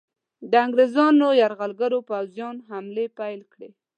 د انګریزانو یرغلګرو پوځیانو حملې پیل کړې.